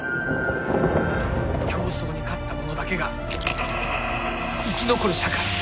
競争に勝った者だけが生き残る社会。